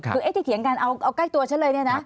คือเอติเทียงกันเอาใกล้ตัวเฉยเลยนะ